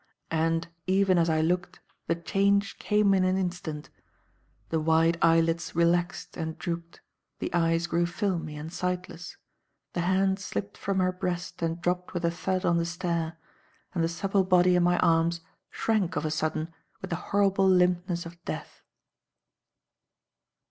And, even as I looked, the change came in an instant. The wide eye lids relaxed and drooped, the eyes grew filmy and sightless, the hand slipped from her breast and dropped with a thud on the stair, and the supple body in my arms shrank of a sudden with the horrible limpness of death.